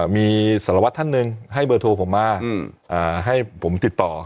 มีสารวัตรท่านหนึ่งให้เบอร์โทรผมมาให้ผมติดต่อ